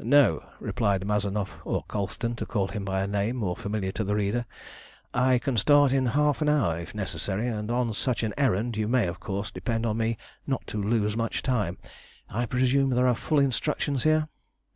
"No," replied Mazanoff, or Colston, to call him by a name more familiar to the reader. "I can start in half an hour if necessary, and on such an errand you may, of course, depend on me not to lose much time. I presume there are full instructions here?"